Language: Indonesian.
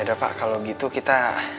ya udah pak kalau gitu kita pameran lagi ya pak